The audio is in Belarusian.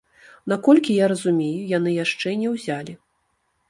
Наколькі я разумею, яны яшчэ не ўзялі.